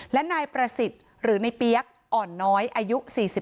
และนายประสิทธิ์หรือในเปี๊ยกอ่อนน้อยอายุ๔๒